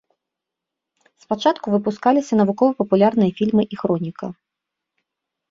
Спачатку выпускаліся навукова-папулярныя фільмы і хроніка.